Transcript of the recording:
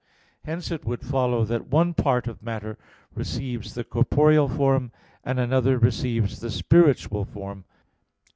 Hence it would follow that one part of matter receives the corporeal form, and another receives the spiritual form.